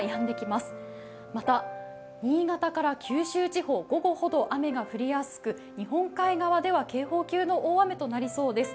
また、新潟から九州地方、午後ほど雨が降りやすく、日本海側では警報級の大雨となりそうです。